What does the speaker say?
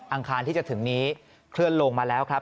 คารที่จะถึงนี้เคลื่อนลงมาแล้วครับ